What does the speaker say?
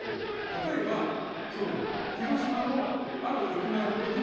例えば、総理、広島のある駅前の個人